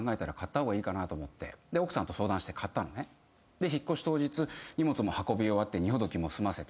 で引っ越し当日荷物も運び終わって荷ほどきも済ませて。